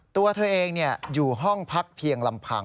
ตัวเธอเองอยู่ห้องพักเพียงลำพัง